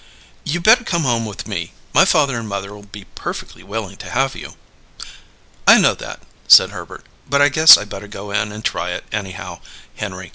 "You better come home with me. My father and mother'll be perfectly willing to have you." "I know that," said Herbert. "But I guess I better go in and try it, anyhow, Henry.